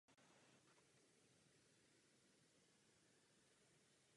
Ze všech těchto důvodů jsem hlasoval pro přijetí zprávy.